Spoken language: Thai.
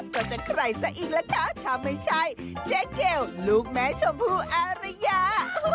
ก็จะใครซะอีกล่ะคะถ้าไม่ใช่เจ๊เกลลูกแม่ชมพูอารยา